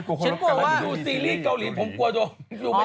ดูซีรีส์เกาหลี